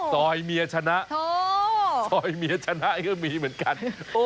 ซอยเมียชนะซอยเมียชนะก็มีเหมือนกัน